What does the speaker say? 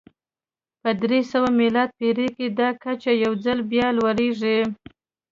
په درې سوه میلادي پېړۍ کې دا کچه یو ځل بیا لوړېږي